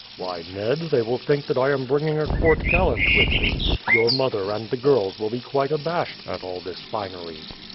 "Why, Ned, they will think that I am bringing a court gallant with me. Your mother and the girls will be quite abashed at all this finery."